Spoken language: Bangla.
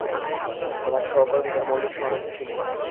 তোমার সহকর্মীদের মৌলিক সহানুভূতিশীল করো।